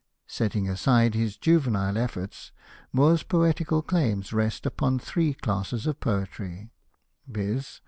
Setting aside his juvenile efforts, Moore's poetical claims rest upon three classes of poetry^ ; viz.